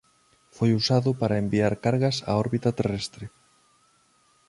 Foi usado para enviar cargas á órbita terrestre.